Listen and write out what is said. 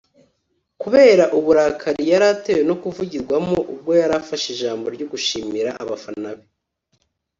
kubera uburakari yari atewe no kuvugirwamo ubwo yari afashe ijambo ryo gushimira abafana be